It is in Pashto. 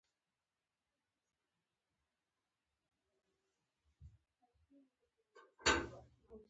د جاپان امپراتور ګوښه کړل شو.